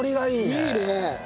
いいね。